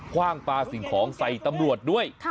ว่างปลาสิ่งของใส่ตำรวจด้วย